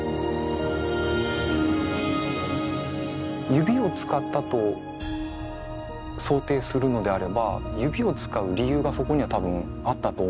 指を使ったと想定するのであれば指を使う理由がそこには多分あったと思うんですね。